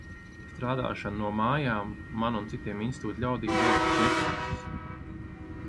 Strādāšana "no mājām" man un citiem institūta ļaudīm nav nekas neparasts.